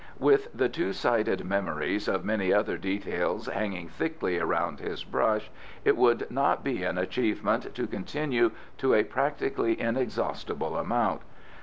With the two sided memories of many other details hanging thickly around his brush, it would not be an achievement to continue to a practically inexhaustible amount.